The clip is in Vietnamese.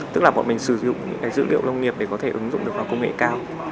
tức là bọn mình sử dụng những cái dữ liệu nông nghiệp để có thể ứng dụng được vào công nghệ cao